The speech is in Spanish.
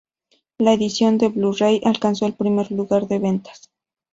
La edición en Blu-ray alcanzó el primer lugar de ventas.